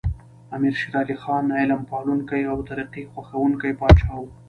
امیر شیر علی خان علم پالونکی او ترقي خوښوونکی پاچا و.